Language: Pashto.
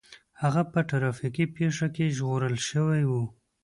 هغه په ټرافيکي پېښه کې ژغورل شوی و